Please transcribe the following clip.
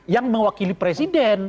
yang mewakili presiden